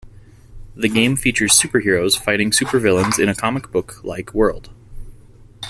The game features superheroes fighting supervillains in a comic book-like world.